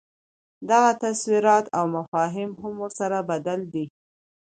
دغه تصورات او مفاهیم هم ورسره بدل دي.